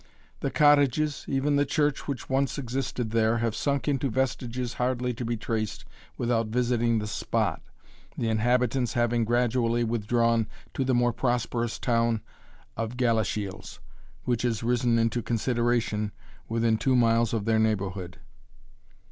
The cottages, even the church which once existed there, have sunk into vestiges hardly to be traced without visiting the spot, the inhabitants having gradually withdrawn to the more prosperous town of Galashiels, which has risen into consideration, within two miles of their neighbourhood.